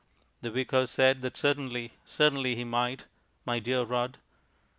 The Vicar said that certainly, certainly he might, my dear Rudd.